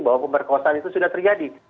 bahwa pemberkosaan itu sudah terjadi